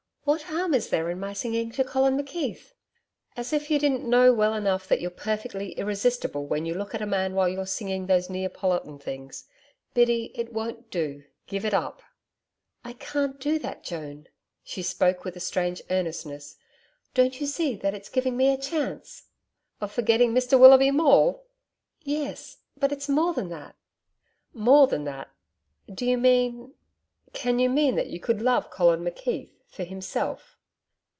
'What harm is there in my singing to Colin McKeith?' 'As if you didn't know well enough that you're perfectly irresistible when you look at a man while you're singing those Neapolitan things. Biddy, it won't do. Give it up.' 'I can't do that, Joan.' She spoke with a strange earnestness. 'Don't you see that it's giving me a chance.' 'Of forgetting Mr Willoughby Maule!' 'Yes.... But it's more than that.' 'More than that.... Do you mean ... can you mean that you could love Colin McKeith for himself?'